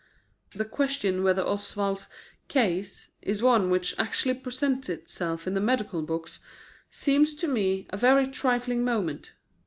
The question whether Oswald's "case" is one which actually presents itself in the medical books seems to me of very trifling moment.